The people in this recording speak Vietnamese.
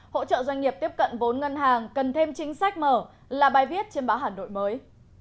hỗ trợ doanh nghiệp tiếp cận vốn ngân hàng cần thêm chính sách mở là bài viết trên báo hà nội mới